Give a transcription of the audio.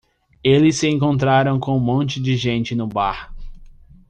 Eles se encontraram com um monte de gente no bar.